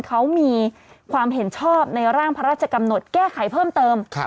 เขามีความเห็นชอบในร่างพระราชกำหนดแก้ไขเพิ่มเติม